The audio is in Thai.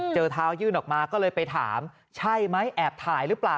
เจอเท้ายื่นออกมาก็เลยไปถามใช่ไหมแอบถ่ายหรือเปล่า